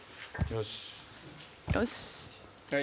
よし。